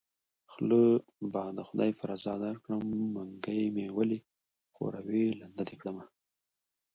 خوله به د خدای په رضا درکړم منګۍ مې ولی ښوروی لنده دې کړمه